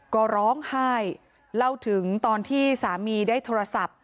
ก็ร้องไห้เล่าถึงตอนที่สามีได้โทรศัพท์